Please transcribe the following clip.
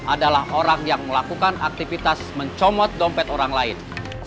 adalah orang yang melakukan aktivitas mencomot dompet orang lain